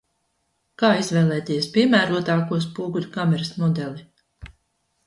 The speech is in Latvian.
Kā izvēlēties piemērotāko spoguļkameras modeli?